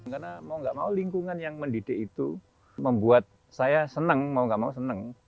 karena mau nggak mau lingkungan yang mendidik itu membuat saya senang mau nggak mau senang